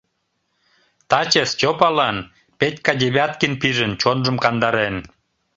Таче Стёпалан Петька Девяткин пижын, чонжым кандарен.